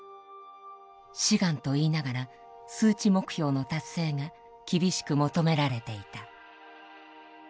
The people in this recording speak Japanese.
志願と言いながら数値目標の達成が厳しく求められていた。